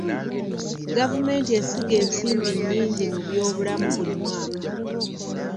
Gavumenti esiga ensimbi nnyingi mu by'obulamu buli mwaka.